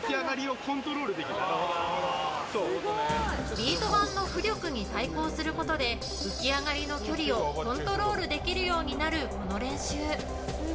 ビート板の浮力に対抗することで浮き上がりの距離をコントロールできるようになるこの練習。